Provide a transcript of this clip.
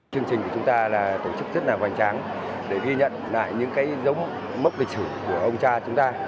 chương trình của chúng ta là tổ chức rất là hoành tráng để ghi nhận lại những cái giống mốc lịch sử của ông cha chúng ta